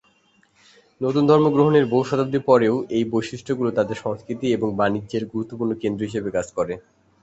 নতুন ধর্ম গ্রহণের বহু শতাব্দী পরেও এই বৈশিষ্ট্যগুলো তাদের সংস্কৃতি ও বাণিজ্যের গুরুত্বপূর্ণ কেন্দ্র হিসেবে কাজ করে।